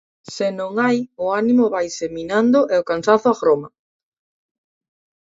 Se non hai, o ánimo vaise minando e o cansazo agroma.